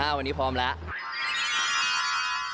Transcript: วันนี้พร้อมแล้ว